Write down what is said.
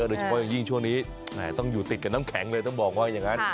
โดยเฉพาะอย่างยิ่งช่วงนี้ต้องอยู่ติดกับน้ำแข็งเลยต้องบอกว่าอย่างนั้น